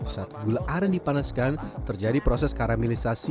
saat gula aren dipanaskan terjadi proses karamilisasi